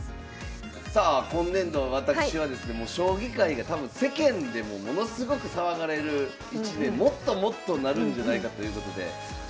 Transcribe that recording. さあ今年度私はですね将棋界が多分世間でもものすごく騒がれる一年もっともっとなるんじゃないかということでよろしくお願いします！